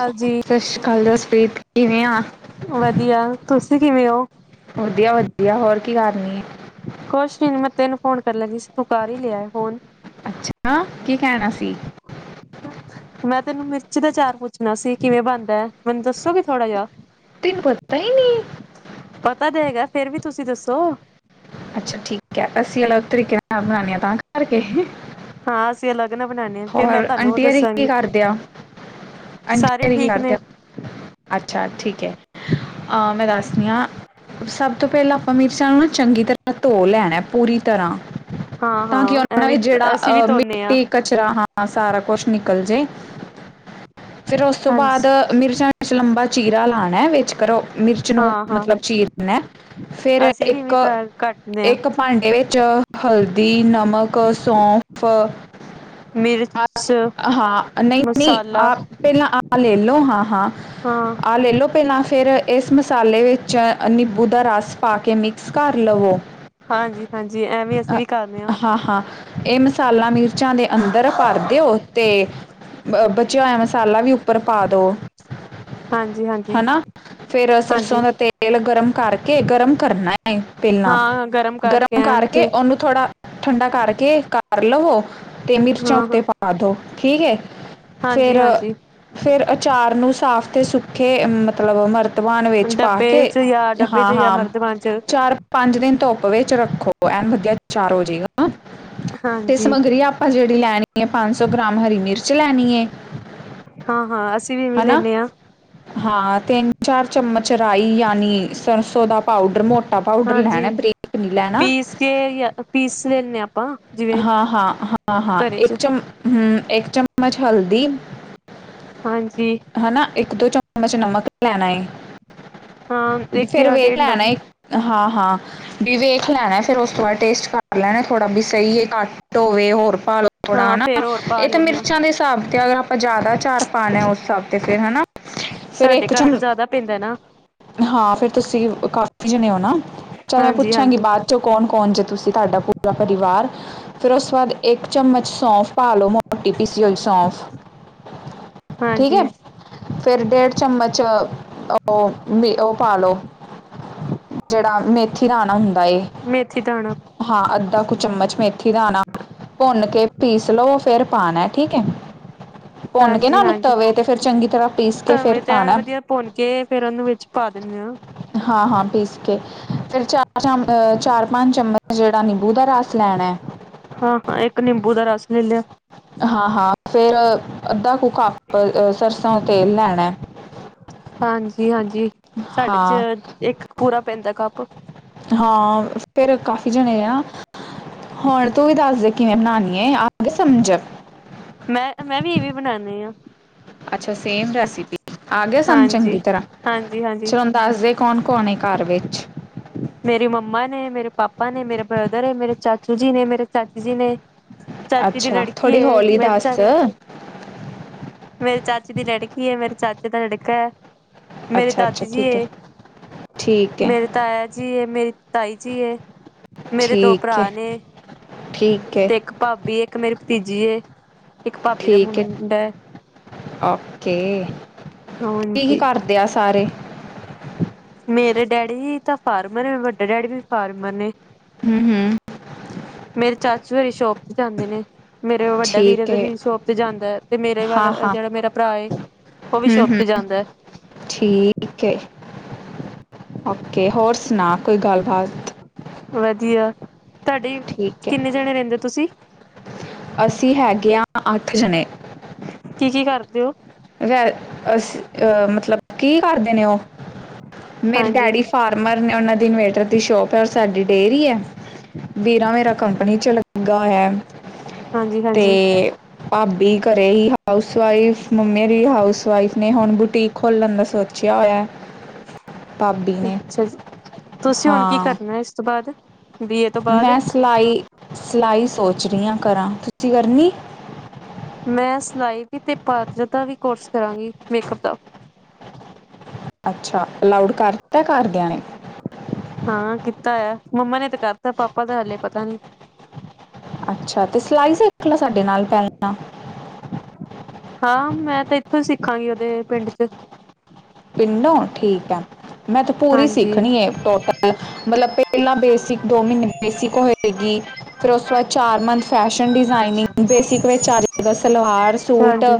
ਹਾਂਜੀ ਸਤਿ ਸ੍ਰੀ ਅਕਾਲ, ਜਸਪ੍ਰੀਤ ਕਿਵੇਂ ਆ? ਵਧੀਆ, ਤੁਸੀਂ ਕਿਵੇਂ ਹੋ? ਵਧੀਆ -ਵਧੀਆ, ਹੋਰ ਕੀ ਕਰਨੀ? ਕੁਛ ਨੀ, ਨੀ ਮੈਂ ਤੈਨੂੰ ਫੋਨ ਕਰ ਲੱਗੀ ਸੀ, ਤੂੰ ਕਰ ਹੀ ਲਿਆ ਏ ਫੋਨ। ਅੱਛਾ, ਕੀ ਕਹਿਣਾ ਸੀ? ਮੈਂ, ਤੈਨੂੰ ਮਿਰਚ, ਦਾ ਚਾਰ ਪੁੱਛਣਾ ਸੀ,, ਕਿਵੇਂ ਬਣਦਾ ਹੈ? ਮੈਨੂੰ ਦੱਸੋਗੇ, ਥੋੜਾ ਜਿਹਾ। ਤੈਨੂੰ ਪਤਾ ਹੀ ਨਹੀਂ ਹੈ। ਪਤਾ ਤੇ ਹੈਗਾ, ਫੇਰ ਵੀ ਤੁਸੀਂ ਦੱਸੋ? ਅੱਛਾ ਠੀਕ ਐ, ਅਸੀਂ ਅਲੱਗ ਤਰੀਕੇ ਦੇ ਨਾਲ ਬਣਾਨੇ ਆ ਤਾਂ ਕਰ ਕੇ? ਹਾਂ ਅਸੀਂ ਅਲੱਗ ਨਾ ਬਣਾਉਣੇ ਹਾਂ ਫੇਰ ਮੈਂ ਹੋਰ ਤੁਹਾਨੂੰ ਉਹ ਆਂਟੀ ਅਰੀ ਕੀ ਦੱਸਾਂਗੀ ਕਾਰਦੇ ਆ? ਆਂਟੀ ਸਾਰੇ ਆਰੀ ਕੀ ਠੀਕ ਕਰਦੇ ਨੇ ਆ? ਅੱਛਾ ਠੀਕ ਐ। ਆ ਮੈਂ ਦੱਸਨੀ ਆਂ, ਸਬ ਤੋਂ ਪੈਲਾਂ ਆਪਾਂ ਮੀਰਚਾ ਨੂੰ ਨਾ ਚੰਗੀ ਤਰਾ ਧੋ ਲੈਣੈ ਐ ਪੂਰੀ ਤਰਾਂ, ਹਾਂ ਤਾਂ ਕਿ ਹਾਂ ਅਪਣਾ ਏ ਵੀ ਐਵੇਂ ਜੇੜਾ ਅਸੀਂ ਵੀ ਅ ਧੋਨੇ ਹਾਂ ਮਿੱਟੀ ਕਚਰਾ ਹਾਂ ਸਾਰਾ ਕੋਛ ਨਿਕਲ ਜੇ, ਫੇਰ ਓਸ ਤੋਂ ਬਾਦ ਹਾਂਜੀ ਮਿਰਚਾਂ ਵਿੱਚ ਲੰਬਾ ਚੀਰਾ ਲਾਣੈ ਵਿੱਚ ਕਰੋ ਮਿਰਚ ਮੀਰਚਾ ਨੂ ਹਾਂ ਹਾਂ ਮਤਲਬ ਵਿੱਚੋ ਚੀਰਨਾ, ਫੇਰ ਅਸੀਂ ਅ ਵੀ ਏਕ ਇਵੇਂ ਕੱਟਦੇ ਹਾਂ ਏਕ ਭਾਂਡੇ ਚ ਹਲਦੀ, ਨਮਕ, ਸੌਂਫ ਮਿਰਚ ਹਾਂ ਨਈ-ਨਈ ਮਸਾਲਾ ਆ, ਪੇਲਾਂ ਆ ਲੇਲੋ ਹਾਂ-ਹਾਂ ਹਾਂ। ਆ ਲੈ ਲੋ ਪੇਲਾ, ਫੇਰ ਏਸ ਮਸਾਲੇ ਵਿੱਚ ਨਿਬੂ ਦਾ ਰਾਸ ਪਾ ਕੇ ਮਿਕਸ ਕਾਰ ਲਵੋ ਹਾਂਜੀ। ਹਾਂਜੀ ਐ ਵੀ ਅਸੀਂ ਵੀ ਕਾਰਨਾ ਹਾ, ਹਾਂ ਐ ਮਸਾਲਾ ਮਿਰਚਾਂ ਦੇ ਅੰਦਰ ਭਰ ਦੇਓ ਤੇ ਬ ਬਚੇਆ ਹੋਏਆ ਮਸਾਲਾ ਵੀ ਉੱਪਰ ਪਾ ਦੋ ਹਾਂਜੀ ਹਾਂਜੀ ਹਨਾ ਫੇਰ ਹਾਂਜੀ ਸਰਸੋਂ ਦਾ ਤੇ ਤੇਲ ਗਰਮ ਕਾਰਕੇ ਗਰਮ ਕਰਨਾ ਏ ਪੇਲਾਂ, ਹਾਂ ਕਰਕੇ ਗਰਮ ਐਨ ਕਾਰਕੇ ਤੇ ਓਨੂੰ ਥੋੜਾ ਠੰਡਾ ਕਾਰਕੇ ਕਾਰ ਲਵੋ ਤੇ ਮਿਰਚਾਂ ਹਾਂ ਹਾਂ ਉੱਤੇ ਪਾ ਦੋ ਠੀਕ ਏ, ਹਾਂਜੀ ਫੇਰ ਹਾਂਜੀ ਫੇਰ ਅਚਾਰ ਨੂੰ ਸਾਫ਼ ਤੇ ਸੁੱਖੇ ਮਤਲਬ ਮਰ ਧਵਾਨ ਵਿੱਚ ਪਾ ਡੱਬੇ ਕੇ, ਚ ਜਾਂ ਡੱਬੇ ਚ ਜਾਂ ਹਾਂ-ਹਾਂ ਮਰਤਬਾਨ ਚ ਚਾਰ ਪਾੰਜ ਦਿਨ ਧੋੱਪ ਵਿੱਚ ਰੱਖੋ ਐਨ ਵਦੀਆ ਚਾਰ ਹੋ ਜੇਗਾ, ਤੇ ਹਾਂਜੀ ਸਮੱਗਰੀ ਆਪ ਆਪਾਂ ਜੇੜੀ ਲੈਣੀ ਏ ਪਾੰਜ ਸੌ ਗ੍ਰਾਮ ਹਰੀ ਮਿਰਚ ਲੈਨੀ ਏ ਹਾਂ, ਹਾਂ ਅਸੀਂ ਵੀ ਵੇਲੇ ਹੂਨੇ ਆਂ ਹਾਂ ਤੇੱਨ-ਚਾਰ ਚਮਚ ਰਾਈ ਯਾਨੀ, ਸਰਸੋਂ ਦਾ ਪਾਊਡਰ ਮੋ ਟਾ ਪਾਊਡਰ ਲੈਣਾ ਬਰੀਕ ਨੀ ਲੈਣਾ ਜੇ ਏਐ ਪੀਸ ਲੈਨੇ ਆ ਆਪਾਂ ਜਿਵੇਂ ਹਾਂ, ਹਾਂ, ਹਾਂ, ਹਾਂ ਘਰੇ ਏਕ ਚ ਚਮ ਹੂੰ, ਏਕ ਚੱਮਚ ਹਲਦੀ ਹਾਂਜੀ। ਹਨਾ ਏਕ-ਦੋ ਚਮਚ ਨਮਕ ਲੈਨਾ, ਏ ਹਾਂ ਇੱਕ ਫੇਰ ਜਾਂ ਵੇਖ ਡੇਢ ਲੈਨਾ ਏ ਹਾਂ-ਹਾਂ, ਬੀ ਵੇਖ ਲੈਣੈ ਫੇਰ ਓਸ ਤੋਂ ਬਾਦ ਟੇਸਟ ਕਰ ਲੈਣੈ ਥੋੜਾ ਬਿ ਸਈ ਏ ਘਾੱਟ ਹੋਵੇ ਹੋਰ ਪਾਲੋ਼ ਥੋੜਾ ਹਾਂ ਹਨਾ, ਫੇਰ ਹੋਰ ਪਾ ਏ ਤਾਂ ਲੈਂਦੇ ਹਾਂ ਮਿਰਚਾਂ ਦੇ ਸ੍ਹਾਬ ਤੇ ਆਜਾ ਆਪਾਂ ਜਾਦਾ ਚਾਰ ਪਾਨੈ ਓਸ ਸ੍ਹਾਬ ਤੇ ਫੇਰ ਹਨਾ, ਫੇਰ ਸਾਡੇ ਏਕ ਘਰ ਤਾਂ ਚਮ ਜ਼ਿਆਦਾ ਪੈਂਦਾ ਨਾ ਹਾਂ, ਫੇਰ ਤੁਸੀਂ ਕਾਫੀ ਜਣੇ ਓ ਨਾ, ਚੱਲ ਮੈਂ ਹਾਂਜੀ ਪੁੱਛਾਂਗੀ ਹਾਂਜੀ ਬਾਦ ਚੋਂ ਕੌਣ-ਕੌਣ ਜੇ ਤੁਸੀਂ ਤਾਹਾਡਾ ਪੂਰਾ ਪਰਿਵਾਰ? ਫੇਰ ਓਸ ਤੋਂ ਬਾਦ ਏਕ ਚੱਮਚ ਸੌਂਫ ਪਾ ਲੋ ਮੋਟੀ ਪੀਸੀ ਹੋਈ ਸੌਂਫ ਠੀਕ ਏ, ਹਾਂਜੀ ਫੇਰ ਡੇੜ ਚੱਮਚ ਓ ਪਾ ਲੋ ਜੇੜਾ ਮੇਥੀ ਦਾਣਾ ਹੁੰਦਾ ਏ ਮੇਥੀ ਦਾਣਾ। ਹਾਂ, ਅੱਦਾ ਕੁ ਚੱਮਚ ਮੇਥੀ ਦਾਨਾ, ਭੁੰਨ ਕੇ ਪੀਸ ਲੋੋ ਫੇਰ ਪਾਨਾ ਠੀਕ ਏ। ਭੋਨ ਕੇ ਨਾ ਹਾਂਜੀ ਓਨੂ ਹਾਂਜੀ ਤਵੇ ਤੇ ਫੇਰ ਚੰਗੀ ਤਰਾ ਪੀਸ ਕੇ ਫੇਰ ਧਵੇਂ ਤੇ ਐਨ ਪਾਨਾ। ਵਧੀਆ ਭੁੰਨ ਕੇ ਫੇਰ ਉਹਨੂੰ ਵਿੱਚ ਪਾ ਦਿੰਦੇ ਹਾਂ ਹਾਂ-ਹਾਂ ਪੀਸ ਕੇ, ਫੇਰ ਚਾਰ ਚਾਮ ਚਾਰ-ਪੰਜ ਚੱਮਚ ਜੇੜਾ ਨਿੰਬੂ ਦਾ ਰਾਸ ਲੈਣੈ ਹਾਂ-ਹਾਂ, ਇੱਕ ਨਿੰਬੂ ਦਾ ਰਾਸ ਲੇ ਲੇਯਾ। ਹਾਂ-ਹਾਂ, ਫੇਰ ਅੱਦਾ ਕੁੂ ਕਾੱਪ ਸਰਸੋਂ ਦਾ ਤੇਲ ਲੈਣੈ। ਹਾਂਜੀ-ਹਾਂਜੀ, ਸਾਡੇ ਹਾਂ ਚ ਏਕ ਪੂਰਾ ਪੈਂਦਾ ਕਾੱਪ। ਹਾਂ, ਫੇਰ ਕਾਫੀ ਜਣੇ ਆ ਹੋਣ ਤੂੰ ਵੀ ਦਾੱਸ ਦੇ। ਕਿਵੇਂ ਬਣਾਉਣੀ ਹੈ? ਆਪ ਵੀ ਸਮਝ। ਮੈਂ, ਮੈਂ ਵੀ ਇਵੇਂ ਬਣਾਉਦੀ ਹਾਂ। ਅੱਛਾ, ਸੇਮ ਰੈਸਿਪੀ, ਆ ਗਿਆ ਸਮਝ ਹਾਂਜੀ ਚੰਗੀ ਤਰ੍ਹਾਂ? ਹਾਂਜੀ ਹਾਂਜੀ ਚਲ ਦੱਸਦੇ, ਕੌਣ- ਕੌਣ ਹੈ, ਘਰ ਵਿੱਚ? ਮੇਰੀ ਮੰਮਾ ਨੇ, ਮੇਰੇ ਪਾਪਾ ਨੇ, ਮੇਰੇ ਬ੍ਰਦਰ ਨੇ, ਮੇਰੇ ਚਾਚੂ ਜੀ ਨੇ, ਮੇਰੇ ਚਾਚੀ ਜੀ ਨੇ। ਚਾਚੀ ਦੀ ਅੱਛਾ, ਲੜਕੀ ਥੋੜੀ ਹੈ ਹੋਲੀ ਮੇਰੇ ਚਾ ਦੱਸ। ਮੇਰੇ ਚਾਚੀ ਦੀ ਲੜਕੀ ਹੈ। ਮੇਰੇ ਚਾਚੇ ਦਾ ਲੜਕਾ ਹੈ। ਮੇਰੇ, ਅੱਛਾ ਅੱਛਾ ਦਾਦੀ ਜੀ ਠੀਕ ਹੈ ਏ ਠੀਕ ਹੈ ਮੇਰੇ ਤਾਇਆ ਜੀ ਏ, ਮੇਰੀ ਤਾਈ ਜੀ ਏ, ਮੇਰੇ ਦੋ ਭਰਾ ਠੀਕ ਹੈ ਨੇ। ਠੀਕ ਹੈ ਤੇ ਇੱਕ ਭਾਬੀ, ਇੱਕ ਮੇਰੀ ਭਤੀਜੀ ਏ, ਇੱਕ ਭਾਬੀ ਦਾ ਮੁੰਡਾ ਹੈ। ਓਕੇ, ਕੀ- ਕੀ ਹਾਂਜੀ ਕਰਦੇ ਆ ਸਾਰੇ? ਮੇਰੇ ਡੈਡੀ ਤਾਂ ਫਾਰਮਰ ਨੇ, ਵੱਡੇ ਡੈਡੀ ਵੀ, ਫਾਰਮਰ ਨੇ। ਹੂੰ-ਹੂੰ, ਮੇਰੇ ਚਾਚੂ, ਹਰੀ ਸ਼ੋਪ ਤੇ ਜਾਂਦੇ ਨੇ। ਮੇਰੇ ਵੱਡਾ ਵੀਰ, ਠੀਕ ਦੇ ਹੈ ਵੀ ਸ਼ੋਪ ਤੇ ਜਾਂਦਾ ਹੈ। ਤੇ ਮੇਰੇ ਵੱਲ ਹਾਂ ਹਾਂ ਜਿਹੜਾ ਮੇਰਾ ਭਰਾ ਏ ਉਹ ਵੀ, ਸ਼ੋਪ ਤੇ ਜਾਂਦਾ ਹੈ। ਓਕੇ, ਓਕੇ ਹੋਰ ਸੁਣਾ ਕੋਈ ਗੱਲਬਾਤ? ਵਧੀਆ, ਤੁਹਾਡੇ ਠੀਕ ਹੈ ਕਿੰਨੇ ਜਾਣੇ ਰਹਿੰਦੇ ਹੋ ਤੁਸੀਂ? ਅਸੀਂ, ਹੈਗੇ ਹਾਂ ਅੱਠ ਜਣੇ। ਕੀ -ਕੀ ਕਰਦੇ ਹੋ? ਵ, ਅ ਅਹ ਮਤਲਬ, ਕੀ ਕਰਦੇ ਨੇ ਉਹ? ਮੇਰੇ ਹਾਂਜੀ ਡੈਡੀ ਫਾਰਮਰ ਨੇ, ਉਹਨਾਂ ਦੀ ਇਨਵੇਟਰ ਦੀ ਸ਼ੋਪ ਹੈ। ਔਰ ਸਾਡੀ ਡੇਅਰੀ ਹੈ। ਵੀਰਾ, ਮੇਰਾ ਕੰਪਨੀ ਚ ਲੱਗਾ ਹੋਇਆ। ਹਾਂਜੀ- ਹਾਂਜੀ। ਤੇ ਭਾਬੀ, ਘਰੇ ਹੀ ਹਾਊਸਵਾਈਫ। ਮੰਮੇ ਵੀ, ਹਾਊਸ ਵਾਈਫ ਨੇ, ਹੁਣ ਬੁਟੀਕ ਖੋਲਣ ਦਾ ਸੋਚਿਆ ਹੋਇਆ। ਭਾਬੀ ਨੇ ਅੱਛਾ ਜੀ, ਤੁਸੀਂ ਹੁਣ ਕੀ ਹਾਂ ਕਰਨਾ, ਇਸ ਤੋਂ ਬਾਅਦ? ਬੀਏ ਤੋਂ ਬਾਅਦ? ਮੈਂ ਸਿਲਾਈ, ਸਿਲਾਈ ਸੋਚ ਰਹੀ ਹਾਂ ਕਰਾਂ। ਤੁਸੀਂ ਕਰਨੀ? ਮੈਂ ਸਿਲਾਈ ਵੀ ਤੇ, ਪਾਰਲਰ ਦਾ ਵੀ ਕੋਰਸ ਕਰਾਂਗੀ, ਮੇਕਅਪ ਦਾ। ਅੱਛਾ, ਅਲਾਉਡ ਕਰਤਾ ਘਰਦਿਆਂ ਨੇ? ਹਾਂ, ਕੀਤਾ ਆ ਮੰਮਾ ਨੇ ਤਾਂ ਕਰਤਾ, ਪਾਪਾ ਦਾ ਹਾਲੇ ਪਤਾ ਨੀ। ਅੱਛਾ, ਤੇ ਸਿਲਾਈ ਸਿੱਖ ਲਾ, ਸਾਡੇ ਨਾਲ ਪਹਿਲਾਂ। ਹਾਂ, ਮੈਂ ਤਾਂ ਇੱਥੋਂ ਹੀ ਸਿੱਖਾਂਗੀ, ਉਹਦੇ ਪਿੰਡ ਚ ਤਿੰਨੋ? ਠੀਕ ਹੈ। ਮੈਂ ਤੇ ਪੂਰੀ ਹਾਂਜੀ ਸਿੱਖਣੀ ਹੈ, ਟੋਟਲ ਮਤਲਬ ਪਹਿਲਾਂ ਬੇਸਿਕ ਦੋ ਮਹੀਨੇ ਬੇਸਿਕ ਹੋਏਗੀ। ਫਿਰ ਉਸ ਤੋਂ ਬਾਅਦ, ਚਾਰ ਮੰਥ ਫੈਸ਼ਨ ਡਿਜ਼ਾਇਨਿੰਗ ਬੇਸਿਕ ਵਿੱਚ ਅੱਜ ਦਾ ਸਲਵਾਰ ਸੂਟ ਹਾਂਜੀ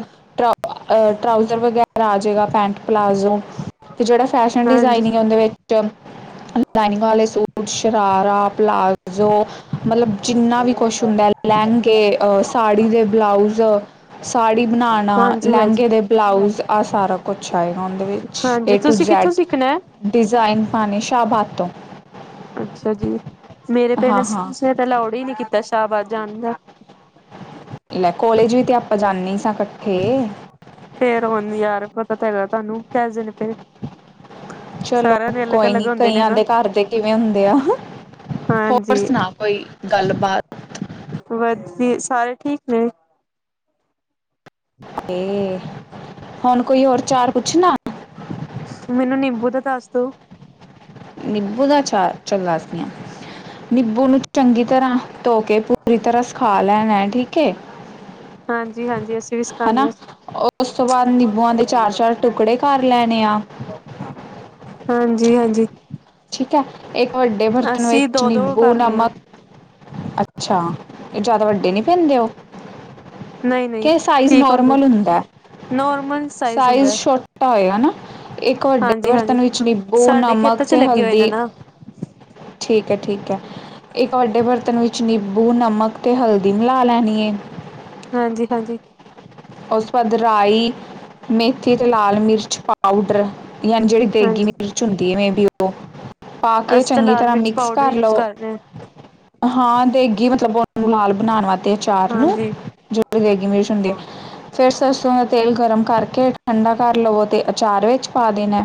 ਟਰਾਉਜ਼ਰ ਵਗੈਰਾ ਆ ਜਾਏਗਾ, ਪੈਂਟ ਪਲਾਜ਼ੋ ਅਤੇ ਜਿਹੜਾ ਫੈਸ਼ਨ ਹਾਂਜੀ ਡਿਜ਼ਾਇਨਿੰਗ ਹੈ। ਉਹਦੇ ਵਿੱਚ ਲਾਈਨਿੰਗ ਵਾਲੇ ਸੂਟ ਸ਼ਰਾਰਾ, ਪਲਾਜ਼ੋ। ਮਤਲਬ ਜਿੰਨਾ ਵੀ, ਕੁਛ ਹੁੰਦਾ ਲਹਿੰਗੇ, ਅਹ ਸਾੜੀ ਦੇ ਬਲਾਊਜ਼ ਸਾੜੀ ਬਣਾਉਣਾ, ਹਾਂਜੀ ਹਾਂਜੀ ਲਹਿੰਗੇ ਦੇ ਬਲਾਊਜ਼ ਆ ਸਾਰਾ ਕੁਛ। ਉਹਦੇ ਵਿੱਚ, ਹਾਂਜੀ ਏ ਟੂ ਤੁਸੀਂ ਜੈਡ, ਕਿੱਥੋਂ ਸਿੱਖਣਾ ਹੈ ਡਿਜ਼ਾਇਨ ਪਾਉਣੇ ਸ਼ਾਹਾਬਾਦ ਤੌਂ ਅੱਛਾ ਜੀ, ਮੇਰੇ ਪੇਰੈਂਟਸ ਨੇ ਤਾਂ ਅਲਾਊਡ ਹੀ ਨੀ ਕੀਤਾ, ਸ਼ਾਹਬਾਦ ਜਾਣ ਦਾ। ਲੈ, ਕੋਲੇਜ ਵੀ ਤੇ ਆਪਾਂ, ਜਾਂਨੇ ਈ ਸਾਂ ਇਕੱਠੇ। ਫਿਰ ਹੁਣ, ਯਾਰ ਪਤਾ ਤੇ ਹੈਗਾ, ਤੁਹਾਨੂੰ [unintelligible] ਚਲੋ ਸਾਰਿਆਂ ਦੇ ਅਲੱਗ ਕੋਈ ਅਲੱਗ ਨੀ, ਹੁੰਦੇ ਨੇ ਕਈਆਂ ਨਾ ਦੇ ਘਰ ਦੇ ਕਿਵੇਂ ਹੁੰਦੇ ਆ। ਹੋਰ ਹਾਂਜੀ ਸੁਣਾ, ਕੋਈ ਗੱਲਬਾਤ? ਵਧੀਆ, ਸਾਰੇ ਠੀਕ ਨੇ। ਇਹ ਹੁਣ ਕੋਈ ਹੋਰ ਅਚਾਰ ਪੁੱਛਣਾ। ਮੈਨੂੰ ਨਿੰਬੂ ਦਾ ਦੱਸ ਦੋ। ਨਿੰਬੂ ਦਾ ਆਚਾਰ ਚੱਲ ਦੱਸਦੀ ਹਾਂ ਨਿੰਬੂ ਨੂੰ ਚੰਗੀ ਤਰ੍ਹਾਂ। ਧੋ ਕੇ ਪੂਰੀ ਤਰ੍ਹਾਂ ਸਿਖਾ ਲੈਣਾ ਹੈ ਠੀਕ ਏ। ਹਾਂਜੀ ਹਾਂਜੀ ਅਸੀਂ ਵੀ। ਸਿਖਾਉਂਦੇ ਹਨਾ ਹਾਂ ਉਸ ਤੋਂ ਬਾਅਦ ਨਿੰਬੂਆਂ ਦੇ ਚਾਰ ਚਾਰ ਟੁਕੜੇ ਕਰ ਲੈਣੇ ਆ। ਹਾਂਜੀ, ਹਾਂਜੀ। ਠੀਕ ਹੈ ਇੱਕ ਵੱਡੇ ਬਰਤਨ ਅਸੀਂ ਵਿੱਚ ਦੋ ਦੋ ਨਿੰਬੂ ਕਰਨੇ ਆ ਨਮਕ ਅੱਛਾ ਇਹ ਜ਼ਿਆਦਾ ਵੱਡੇ ਨਹੀਂ ਪੈਂਦੇ ਉਹ। ਨਹੀਂ ਨਹੀਂ ਕੇ ਸਾਈਜ਼ ਠੀਕ ਹੁੰਦੇ ਨੋਰਮਲ ਹੁੰਦਾ ਨੋਰਮਲ ਸਾਈਜ਼ ਹੁੰਦਾ ਛੋਟਾ ਖੱਟਾ ਹੋਏਗਾ ਇੱਕ ਵੱਡੇ ਹਾਂਜੀ ਹਾਂਜੀ ਬਰਤਨ ਵਿੱਚ ਨਿੰਬੋ ਸਾਡੇ ਨਮਕ ਖੇਤਾਂ ਚ ਤੇ ਲੱਗੇ ਹੋਏ ਨੇ ਹਲਦੀ ਨਾ ਠੀਕ ਹੈ, ਠੀਕ ਹੈ। ਇੱਕ ਵੱਡੇ ਬਰਤਨ ਵਿੱਚ ਨਿੰਬੂ ਨਮਕ ਤੇ ਹਲਦੀ ਮਿਲਾ ਲੈਣੀ ਏ। ਹਾਂਜੀ, ਹਾਂਜੀ। ਉਸ ਤੋਂ ਬਾਅਦ ਰਾਈ ਮੇਥੀ ਤੇ ਲਾਲ ਮਿਰਚ ਪਾਊਡਰ ਯਾਨੀ ਜਿਹੜੀ ਤੇਗੀ ਹਾਂਜੀ ਮਿਰਚ ਹੁੰਦੀ ਮੈਂ ਵੀ ਉਹ ਪਾ ਕੇ ਅਸੀਂ ਤਾਂ ਚੰਗੀ ਲਾਲ ਤਰ੍ਹਾਂ ਮਿਰਚ ਮਿਕਸ ਪਾਊਡਰ ਕਰ ਯੂਜ ਲਓ। ਰਹੇ ਹਾਂ ਹਾਂ ਦੇਗੀ ਮਤਲਬ ਬਹੁਤ ਨਾਲ ਬਣਾਉਣ ਅਚਾਰ ਨੂੰ ਹਾਂਜੀ ਜੋ ਵੀ ਦੇਗੀ ਮਿਰਚ ਹੁੰਦੀ। ਫਿਰ ਸਰਸੋਂ ਦਾ ਤੇਲ ਗਰਮ ਕਰਕੇ ਠੰਡਾ ਕਰ ਲਵੋ ਤੇ ਅਚਾਰ ਵਿੱਚ ਪਾ ਦੇਣਾ।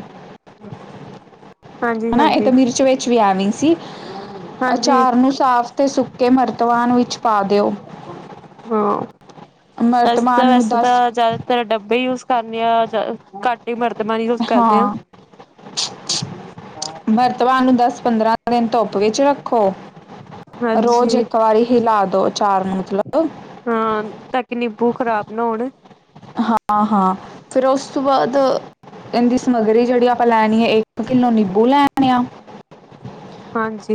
ਹਾਂਜੀ ਹਨਾ ਇੱਕ ਤਾਂ ਹਾਂਜੀ ਮਿਰਚ ਵਿੱਚ ਵੀ ਆ ਗਈ ਸੀ। ਹਾਂਜੀ ਅਚਾਰ ਨੂੰ ਸਾਫ਼ ਤੇ ਸੁੱਕੇ ਮਰਤਵਾਨ ਵਿੱਚ ਪਾ ਦਿਓ। ਹਾਂ ਅਸੀਂ ਤਾਂ ਮਰਤਬਾਨ ਨੂੰ ਵੈਸੇ ਤਾਂ। ਦਸ ਜ਼ਿਆਦਾਤਰ ਡੱਬੇ ਯੂਜ ਕਰਨੇ ਆ ਜਾਂ ਘੱਟ ਹੀ ਵਰਤਮਾਨ ਯੂਜ ਕਰਦੇ ਹਾਂ। ਵਰਤਮਾਨ ਨੂੰ ਦਸ ਪੰਦਰਾਂ ਦਿਨ ਧੁੱਪ ਵਿੱਚ ਰੱਖੋ ਰੋਜ਼ ਹਾਂਜੀ ਇੱਕ ਵਾਰੀ ਹੀ ਲਾ ਦੋ ਅਚਾਰ ਮਤਲਬ ਹਾਂ ਤਾਂ ਕਿ ਨਿੰਬੂ ਖ਼ਰਾਬ ਨਾ ਹੋਣ। ਹਾਂ ਹਾਂ ਫਿਰ ਉਸ ਤੋਂ ਬਾਅਦ ਇਹਦੀ ਸਮਗਰੀ ਜਿਹੜੀ ਆਪਾਂ ਲੈਣੀ ਹੈ ਇੱਕ। ਕਿਲੋ ਨਿੰਬੂ ਲੈਣੇ ਹਾਂਜੀ।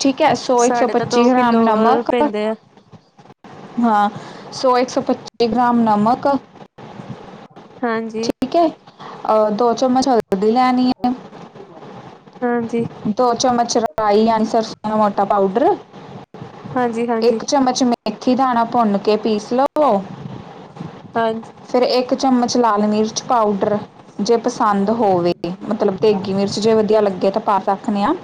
ਠੀਕ ਹੈ ਸੌ ਇੱਕ ਸੌ ਸਾਡੇ ਤਾਂ ਪੱਚੀ ਦੋ ਗ੍ਰਾਮ ਕਿੱਲੋ ਨਮਕ। ਪੈਂਦੇ ਆ ਹਾਂ ਸੌ ਇੱਕ ਸੌ ਪੱਚੀ ਗ੍ਰਾਮ ਨਮਕ। ਹਾਂਜੀ। ਅਹ ਦੋ ਚਮਚ ਹਲਦੀ ਲੈਣੀ ਹੈ। ਹਾਂਜੀ। ਦੋ ਚਮਚ ਰਾਈ ਆਨਸਰ ਮੋਟਾ ਪਾਊਡਰ ਹਾਂਜੀ ਹਾਂਜੀ ਇੱਕ ਚਮਚ। ਮੇਥੀ ਦਾਣਾ ਭੁੰਨ ਕੇ ਪੀਸ ਲਓ। ਹਾਂਜੀ। ਫਿਰ ਇੱਕ ਚਮਚ ਲਾਲ ਮਿਰਚ ਪਾਊਡਰ। ਜੇ ਪਸੰਦ ਹੋਵੇ ਮਤਲਬ ਦੇਗੀ ਮਿਰਚ ਜੇ ਵਧੀਆ ਲੱਗੇ ਤਾਂ। ਰੱਖਨੇ ਆ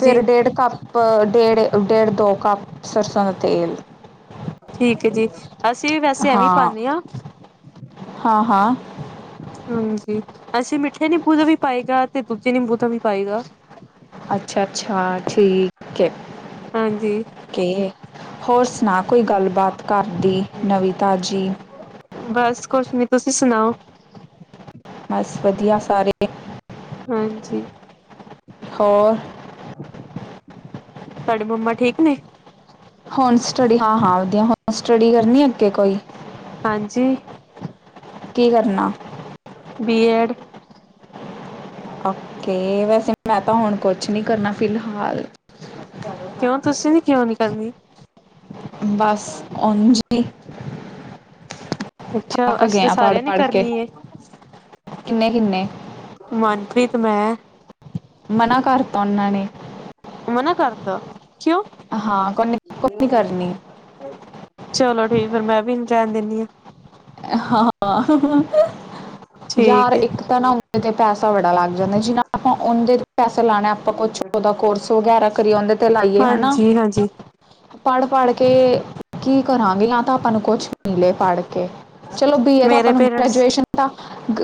ਫਿਰ ਡੇਢ ਕੱਪ ਪ ਡੇਢ ਡੇਢ ਦੋ ਕੱਪ ਸਸਤਾ ਤੇਲ। ਠੀਕ ਹੈ ਜੀ ਅਸੀਂ ਵੀ ਵੈਸੇ ਐਵੇਂ ਪਾਂਦੇ ਹਾਂ। ਹਾਂ ਹਾਂ ਹਾਂਜੀ ਅਸੀਂ ਮਿੱਠੇ ਨਿੰਬੂ ਦਾ ਵੀ ਪਾਏਗਾ ਤੇ ਦੂਜੇ ਨਿੰਬੂ ਦਾ ਵੀ ਪਾਏਗਾ। ਅੱਛਾ, ਅੱਛਾ ਠੀਕ ਹੈ। ਹਾਂਜੀ ਕੇ ਹੋਰ ਸੁਣਾ ਕੋਈ ਗੱਲਬਾਤ ਘਰ ਦੀ ਨਵੀਂ ਤਾਜੀ? ਬਸ ਕੁਛ ਨੀ ਤੁਸੀਂ ਸੁਣਾਓ? ਬਸ ਵਧੀਆ ਸਾਰੇ। ਹਾਂਜੀ। ਹੋਰ। ਤੁਹਾਡੇ ਮੰਮਾ ਠੀਕ ਨੇ। ਹੁਣ ਸਟੱਡੀ ਹਾਂ ਹਾਂ ਵਧੀਆ ਹੁਣ ਸਟੱਡੀ ਕਰਨੀ ਅੱਗੇ ਕੋਈ। ਹਾਂਜੀ। ਕੀ ਕਰਨਾ। B Ed. ਓਕੇ ਵੈਸੇ ਮੈਂ ਤਾਂ ਹੁਣ ਕੁਛ ਨੀ ਕਰਨਾ ਫਿਲਹਾਲ। ਕਿਉਂ ਤੁਸੀਂ ਨਹੀਂ ਕਿਉਂ ਨੀ ਕਰਨੀ। ਬਸ ਉਝ ਹੀ ਅੱਛਾ ਅਸੀਂ ਤਾਂ ਸਾਰਿਆਂ ਨੇ ਕਰਨੀ ਹੈ। ਕਿੰਨੇ ਕਿੰਨੇ ਮਨਪ੍ਰੀਤ ਮੈਂ। ਮਨਾ ਕਰਤਾ ਉਹਨਾਂ ਨੇ। ਮਨਾ ਕਰਤਾ ਕਿਉ। ਹਾਂ ਕੋਨ ਕੋ ਕਰਨੀ। ਚਲੋ ਠੀਕ ਫਿਰ ਮੈਂ ਵੀ ਨ ਰਹਿਣ ਦਿੰਦੀ ਹਾਂ। ਹਾਂ ਯਾਰ ਠੀਕ ਹੈ ਇੱਕ ਤਾਂ ਨਾਉਦੇ ਤੇ ਪੈਸਾ ਬੜਾ ਲੱਗ ਜਾਂਦਾ ਜਿਨਾ। ਆਪਾਂ ਉਹਦੇ ਪੈਸੇ ਲਾਣੇ ਆਪਾਂ ਕੁਛ ਉਹਦਾ ਕੋਰਸ ਵਗੈਰਾ ਕਰੀਏ ਉਹਦੇ ਤੇ ਲਾਈਏ ਹਨਾ। ਹਾਂਜੀ ਹਾਂਜੀ ਪੜ੍ਹ, ਪੜ੍ਹ ਕੇ ਕੀ ਕਰਾਂਗੇ ਜਾਂ ਤਾਂ ਆਪਾਂ ਨੂੰ ਕੁਛ ਮਿਲੇ ਪੜ੍ਹ ਕੇ। ਚਲੋ ਬੀ ਏ ਆਪਾਂ ਮੇਰੇ ਨੂੰ ਪੇਰੈਂਟਸ ਗ੍ਰੈਜੂਏਸ਼ਨ ਤਾ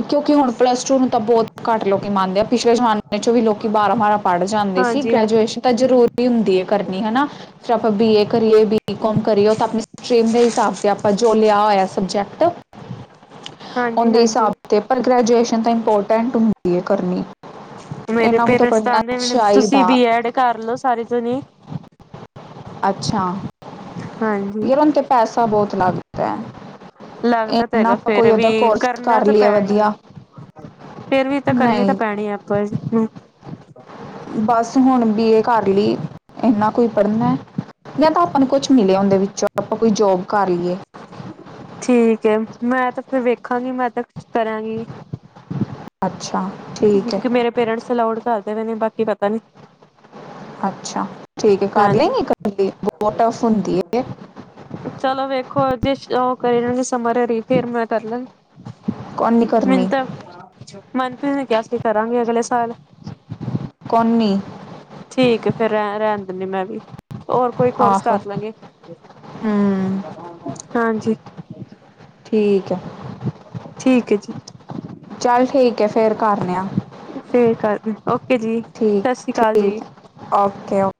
ਕਿਉਂਕਿ ਹੁਣ ਪਲੱਸ ਟੂ ਨੂੰ ਤਾਂ ਬਹੁਤ ਘੱਟ ਲੋਕੀ ਮੰਨਦੇ ਆ ਪਿਛਲੇ ਜ਼ਮਾਨੇ ਚੋਂ ਵੀ ਲੋਕੀ ਬਾਰਾਂ, ਬਾਰਾਂ ਪੜ੍ਹ ਜਾਂਦੇ ਸੀ ਹਾਂਜੀ ਹਾਂ ਗ੍ਰੈਜੂਏਸ਼ਨ ਤਾਂ ਜ਼ਰੂਰੀ ਹੁੰਦੀ ਹੈ ਕਰਨੀ ਹਨਾ। ਫਿਰ ਆਪਾਂ ਬੀ ਏ ਕਰੀਏ ਬੀਈ ਕੌਮ ਕਰੀਏ ਤਾਂ ਆਪਣੀ ਸਟਰੀਮ ਦੇ ਹਿਸਾਬ ਤੇ ਆਪਾਂ ਜੋ ਲਿਆ ਹੋਇਆ ਸਬਜੈਕਟ। ਹਾਂਜੀ ਉਹਦੇ ਹਾਂਜੀ ਹਿਸਾਬ ਤੇ ਪਰ ਗ੍ਰੈਜੂਏਸ਼ਨ ਤਾਂ ਇੰਪੋਰਟੈਂਟ ਹੁੰਦੀ ਹੈ ਕਰਨੀ। ਮੇਰੇ ਇੰਨਾ ਕੁ ਤਾਂ ਪਰੇਟੈਸ ਪੜ੍ਹਨਾ ਕਹਿੰਦੇ ਤੁਸੀਂ ਚਾਹੀਦਾ ਬੀ ਐਡ ਕਰਲੋ ਸਾਰੇ ਜਾਣੇ। ਅੱਛਾ ਹਾਂਜੀ। ਯਾਰ ਉਹ ਤੇ ਪੈਸਾ ਬਹੁਤ ਲੱਗਦਾ ਹੈ। ਲੱਗਦਾ ਤਾਂ ਇੰਨਾ ਹੈਗਾ ਆਪਾਂ ਫੇਰ ਕੋਈ ਵੀ ਉਹਦਾ ਕੋਰਸ ਕਰਨਾ ਕਰ ਤਾਂ ਲਈਏ ਪੈਣੀ। ਵਧੀਆ ਫੇਰ ਵੀ ਇਹ ਤਾਂ ਕਰਨੀ ਤਾਂ ਨਹੀਂ ਪੈਣੀ ਆਪਾਂ ਨੂੰ। ਬਸ ਹੁਣ ਬੀ ਏ ਕਰ ਲਈ ਇਨਾ ਕੁ ਹੀ ਪੜ੍ਹਨਾ ਜਾਂ ਤਾਂ ਆਪਾਂ ਨੂੰ ਕੁਛ ਮਿਲਿਆ ਉਹਦੇ ਵਿੱਚੋਂ ਆਪਾਂ ਕੋਈ ਜੋਬ ਕਰ ਲਈਏ। ਠੀਕ ਹੈ ਮੈਂ ਤਾਂ ਫਿਰ ਵੇਖਾਂਗੀ ਮੈਂ ਤਾਂ ਕੁਛ ਕਰਾਂਗੀ। ਅੱਛਾ ਠੀਕ ਹੈ। ਕਿਉਂਕਿ ਮੇਰੇ ਪੇਰੈਂਟਸ ਅਲਾਉਡ ਕਰਦੇ ਨੇ ਬਾਕੀ ਪਤਾ ਨੀ। ਅੱਛਾ ਠੀਕ ਹੈ ਕਰ ਲੈ ਹਾਂਜੀ ਗਈ ਇੱਕਲੀ ਬਹੁਤ ਟਫ ਹੁੰਦੀ ਹੈ। ਚਲੋ ਵੇਖੋ ਅਜੇ ਉਹ ਕਰ ਜਾਣਗੇ ਸਮਰ ਫੇਰ ਮੈਂ ਕਰ ਲੈ ਕੌਣ ਨਹੀਂ ਕਰਨੀ ਮਿੰਨਤਾਂ ਮਨਪ੍ਰੀਤ ਨੇ ਕਿਹਾ ਸੀ ਕਰਾਂਗੇ ਅਗਲੇ ਸਾਲ। ਕੋਨੀ। ਠੀਕ ਫੇਰ ਰਹਿ ਰਹਿਣ ਦਿੰਦੀ ਮੈਂ ਵੀ ਹੋਰ ਕੋਈ ਕੋਰਸ ਆਹੋ ਕਰ ਲਾਂਗੇ ਹੂੰ ਹਾਂਜੀ। ਠੀਕ ਹੈ। ਠੀਕ ਹੈ ਜੀ ਚੱਲ ਠੀਕ ਹੈ ਫੇਰ ਕਰਨ ਆ। ਸਹੀ ਗੱਲ ਓ ਠੀਕ-ਠੀਕ, ਓਕੇ-ਓਕੇ।